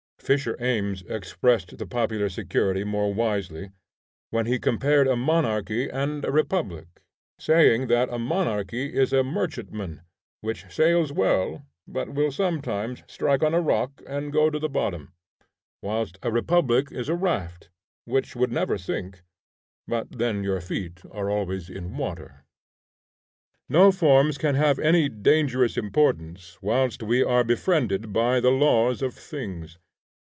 Fisher Ames expressed the popular security more wisely, when he compared a monarchy and a republic, saying that a monarchy is a merchantman, which sails well, but will sometimes strike on a rock and go to the bottom; whilst a republic is a raft, which would never sink, but then your feet are always in water. No forms can have any dangerous importance whilst we are befriended by the laws of things.